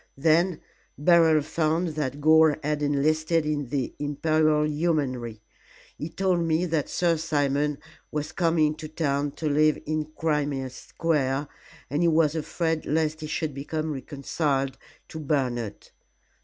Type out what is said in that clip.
Then Beryl found that Gore had enlisted in the Imperial Yeomanry. He told me that Sir Simon was coming to town to live in Crimea Square, and he was afraid lest he should become reconciled to Bernard.